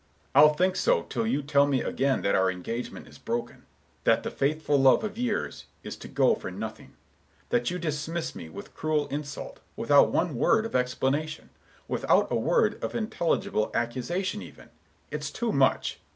Mr. Richards: "I'll think so till you tell me again that our engagement is broken; that the faithful love of years is to go for nothing; that you dismiss me with cruel insult, without one word of explanation, without a word of intelligible accusation, even. It's too much!